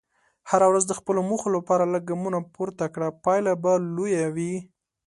هره ورځ د خپلو موخو لپاره لږ ګامونه پورته کړه، پایله به لویه وي.